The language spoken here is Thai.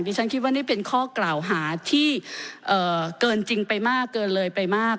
ฉันคิดว่านี่เป็นข้อกล่าวหาที่เกินจริงไปมากเกินเลยไปมาก